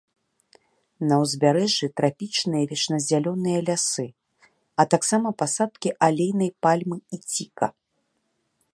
На ўзбярэжжы трапічныя вечназялёныя лясы, а таксама пасадкі алейнай пальмы і ціка.